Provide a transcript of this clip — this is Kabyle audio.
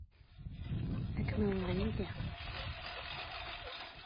Ad kem-awiɣ yid-i.